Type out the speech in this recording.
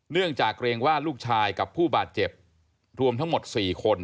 เนื่องจากเกรงว่าลูกชายกับผู้บาดเจ็บรวมทั้งหมด๔คน